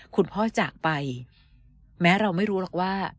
คุณพ่อจากไปแม้เราไม่รู้หรอกว่า